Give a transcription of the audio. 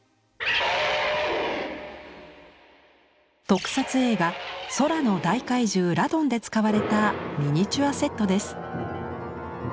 特撮映画「空の大怪獣ラドン」で使われたミニチュアセットです。